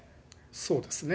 そうですね。